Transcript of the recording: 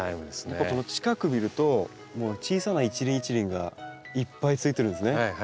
やっぱこの近く見ると小さな一輪一輪がいっぱいついてるんですね。